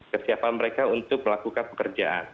kesiapan mereka untuk melakukan pekerjaan